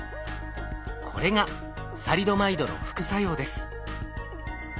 これがサリドマイドの副作用です。